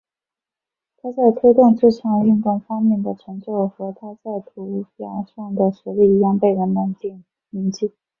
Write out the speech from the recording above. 他在推动这项运动方面的成就和他在土俵上的实力一样被人们铭记。